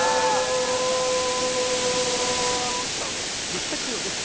ピスタチオです。